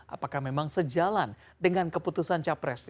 apakah memang sejalan dengan keputusan capres